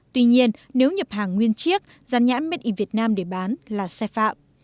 tuy nhiên nếu nhập hàng nguyên chiếc dàn nhãn mết in việt nam để bán là sai phạm